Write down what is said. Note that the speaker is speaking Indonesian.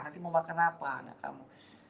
nanti mau makan apa anak kamu